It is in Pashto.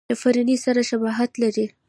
د فرني سره شباهت لري.